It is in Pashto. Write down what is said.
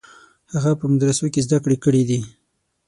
هغه په مدرسو کې زده کړې کړې دي.